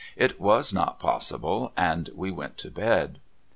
It was not possible, and we went to bed.